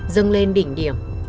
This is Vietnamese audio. dâng lên đỉnh điểm